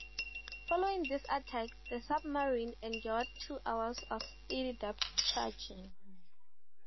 Following this attack, the submarine endured two hours of steady depth charging.